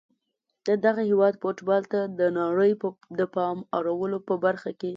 د دغه هیواد فوټبال ته د نړۍ د پام اړولو په برخه کي